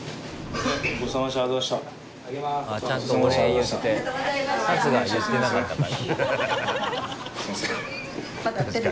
ちゃんとお礼言って春日は言ってなかったから。